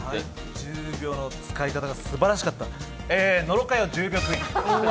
１０秒の使い方がすばらしかった。